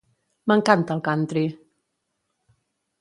M'encanta el country!